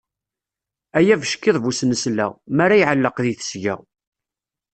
Ay abeckiḍ bu snesla, mi ara iɛelleq di tesga.